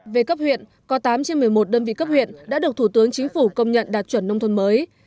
về cấp huyện có tám trên một mươi một đơn vị cấp huyện đã được thủ tướng chính phủ công nhận đạt chuẩn nông thôn mới